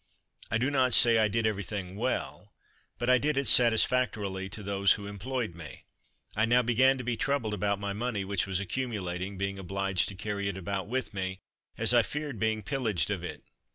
I do not say I did everything well, but I did it satisfactorily to those who employed me. I now began to be troubled about my money which was accumulating, being obliged to carry it about with me, as I feared being pillaged of it.